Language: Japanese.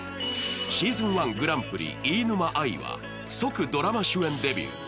シーズン１グランプリ飯沼愛は即ドラマ主演デビュー。